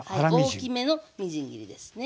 大きめのみじん切りですね。